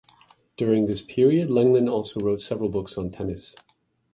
During this period, Lenglen also wrote several books on tennis.